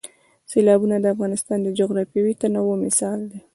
سیلابونه د افغانستان د جغرافیوي تنوع مثال دی.